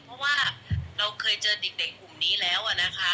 เพราะว่าเราเคยเจอเด็กกลุ่มนี้แล้วนะคะ